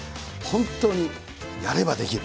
本当にやればできる。